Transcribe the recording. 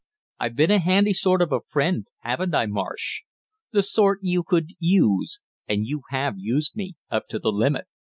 I've been a handy sort of a friend, haven't I, Marsh? The sort you could use, and you have used me up to the limit!